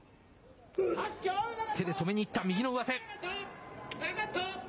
手で止めにいった、右の上手。